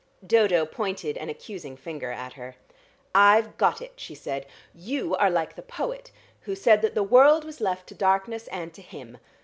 Dodo pointed an accusing finger at her. "I've got it," she said. "You are like the poet who said that the world was left to darkness and to him.